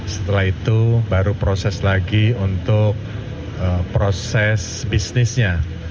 setelah itu baru proses lagi untuk proses bisnisnya